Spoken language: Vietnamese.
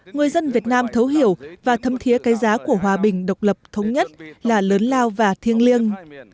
người dân việt nam thấu hiểu và thâm thiế cái giá của hòa bình độc lập thống nhất là lớn lao và thiêng liêng